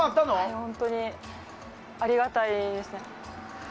本当にありがたいですね。